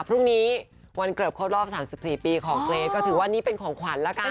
พรุ่งนี้วันเกิดครบรอบ๓๔ปีของเกรทก็ถือว่านี่เป็นของขวัญละกัน